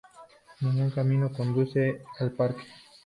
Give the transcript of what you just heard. Ningún camino conduce al parque.